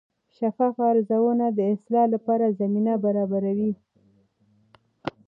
شفاف ارزونه د اصلاح لپاره زمینه برابروي.